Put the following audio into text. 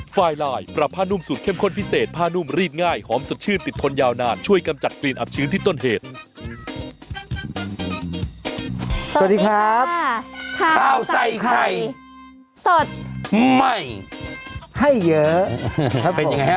สวัสดีครับข้าวใส่ไข่สดใหม่ให้เยอะครับเป็นยังไงฮะ